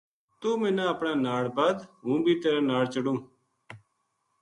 توہ منا اپنے ناڑ بَدھ ہوں بھی تیرے ناڑ چلوں ‘‘